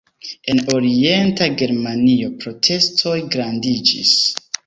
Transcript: En orienta Germanio protestoj grandiĝis.